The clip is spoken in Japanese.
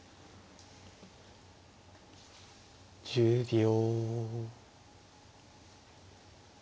１０秒。